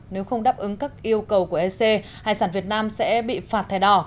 nếu không đáp ứng các yêu cầu của ec hải sản việt nam sẽ bị phạt thẻ đỏ